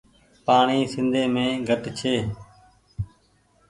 پآڻيٚ سندي مين گهٽ ڇي ۔